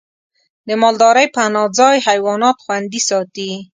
د مالدارۍ پناه ځای حیوانات خوندي ساتي.